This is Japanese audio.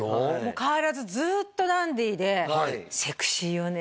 変わらずずっとダンディーでセクシーよね